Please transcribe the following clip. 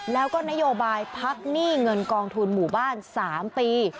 แล้วก็นโยบายพักหนี้เงินกองทุนหมู่บ้าน๓ปี